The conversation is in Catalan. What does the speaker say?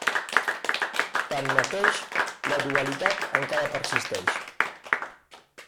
Tanmateix, la dualitat encara persisteix.